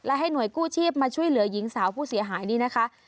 และให้หน่วยกู้ชีพมาช่วยเหลือหญิงสาวผู้เสียหายนี่นะคะ